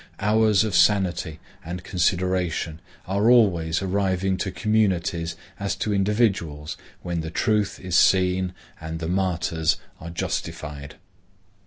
Hours of sanity and consideration are always arriving to communities, as to individuals, when the truth is seen and the martyrs are justified.